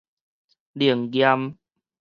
靈驗